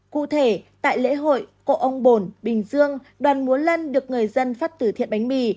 cụ thể tại lễ hội cộ ông bồn bình dương đoàn múa lân được người dân phát từ thiện bánh mì